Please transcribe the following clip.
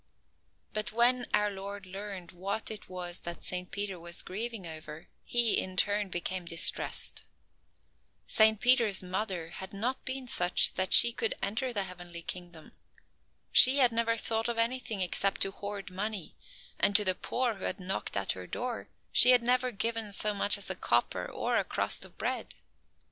But when our Lord learned what it was that Saint Peter was grieving over, He, in turn, became distressed. Saint Peter's mother had not been such that she could enter the Heavenly Kingdom. She had never thought of anything except to hoard money, and to the poor who had knocked at her door she had never given so much as a copper or a crust of bread.